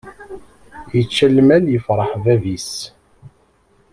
Yečča lmal yefṛeḥ bab-is.